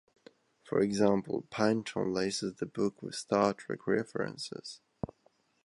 For example, Pynchon laces the book with "Star Trek" references.